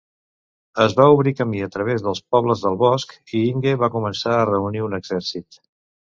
Es va obrir camí a través dels pobles del bosc, i Inge va començar a reunir un exèrcit.